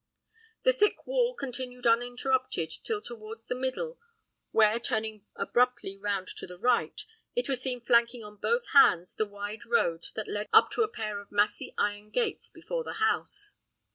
The thick wall continued uninterrupted till towards the middle, where, turning abruptly round to the right, it was seen flanking on both hands the wide road that led up to a pair of massy iron gates before the house.